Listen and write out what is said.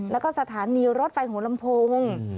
แล้วก็สถานีรถไฟโหลมพง